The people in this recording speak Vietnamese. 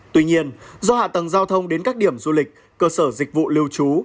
tuy nhiên do hạ tầng giao thông đến các điểm du lịch cơ sở dịch vụ lưu trú